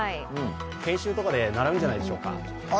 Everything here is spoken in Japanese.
研修とかで習うんじゃないでしょうか。